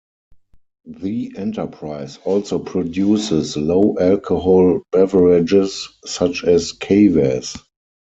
The enterprise also produces low-alcohol beverages, such as kvass.